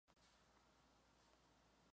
El video fue grabado en Las Coloradas, Yucatán.